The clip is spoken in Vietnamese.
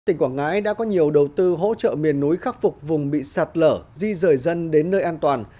tỉnh quảng ngãi đã có nhiều đầu tư hỗ trợ miền núi khắc phục vùng bị sạt lở di rời dân đến nơi an toàn